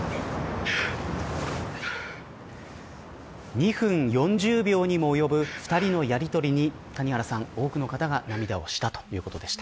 ２分４０秒にも及ぶ２人のやりとりに多くの方が涙をしたということでした。